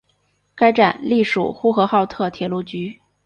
该站隶属呼和浩特铁路局。